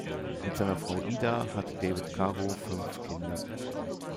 Mit seiner Frau Ida hatte David Cargo fünf Kinder.